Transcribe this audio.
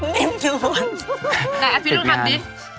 นายอภิรุณครับดิติดงาน